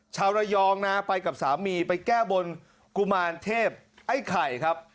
ชาวระยองนะไปกับสามีไปแก้บนกุมารเทพไอ้ไข่ครับ